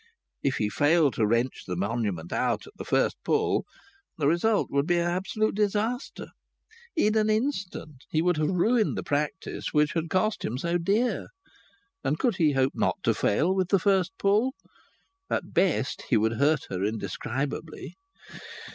If he failed to wrench the monument out at the first pull the result would be absolute disaster; in an instant he would have ruined the practice which had cost him so dear. And could he hope not to fail with the first pull? At best he would hurt her indescribably.